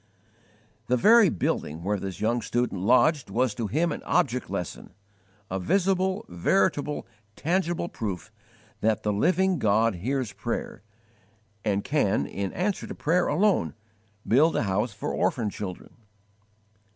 The very building where this young student lodged was to him an object lesson a visible, veritable, tangible proof that the Living God hears prayer, and can, in answer to prayer alone, build a house for orphan children.